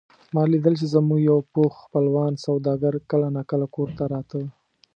ما لیدل چې زموږ یو پوخ خپلوان سوداګر کله نا کله کور ته راته.